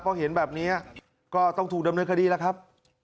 พอเห็นแบบนี้ก็ต้องถูกดำเนินคดีแล้วครับ